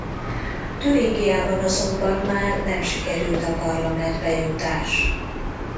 Türingiában azonban már nem sikerült a parlamentbe jutás.